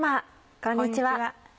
こんにちは。